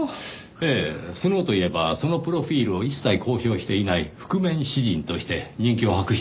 ええスノウといえばそのプロフィルを一切公表していない覆面詩人として人気を博していますからねぇ。